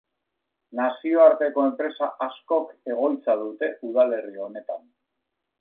Nazioarteko enpresa askok egoitza dute udalerri honetan.